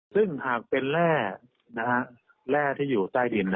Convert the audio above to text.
ซึ่งหากเป็นแร่ที่อยู่ใต้ดิน